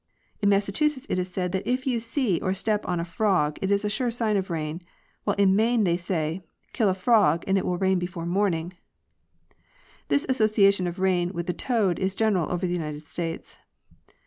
In Massachusetts it is said that if you see or step on a frog it is a sure sign of rain, while in Maine they say, " Kill a frog and it will rain before morning" (Miss F. D. Bergen). This association of rain with the toad is general over the United States.